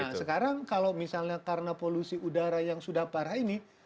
nah sekarang kalau misalnya karena polusi udara yang sudah parah ini